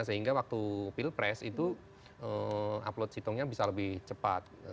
sehingga waktu pilpres itu upload situngnya bisa lebih cepat